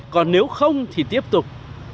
còn nếu không thì tiếp tục